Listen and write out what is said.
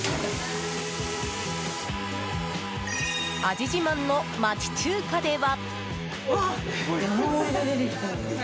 味自慢の町中華では。